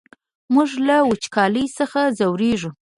موږ له وچکالۍ څخه ځوريږو!